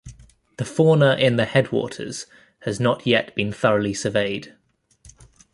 The fauna in the headwaters has not yet been thoroughly surveyed.